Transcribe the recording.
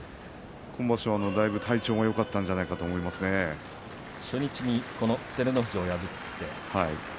今場所はだいぶ体調もよかったんじゃないかなと初日に照ノ富士を破って。